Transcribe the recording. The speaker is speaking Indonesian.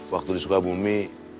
waktu di sukabumi